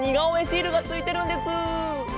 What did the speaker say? シールがついてるんです。